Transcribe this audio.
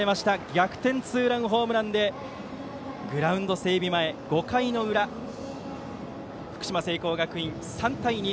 逆転ツーランホームランでグラウンド整備前、５回の裏福島・聖光学院、３対２。